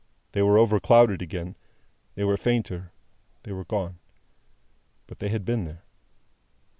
They were overclouded again, they were fainter, they were gone; but they had been there.